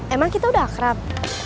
emang kita udah akrab